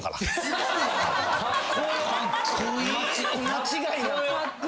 間違いなく。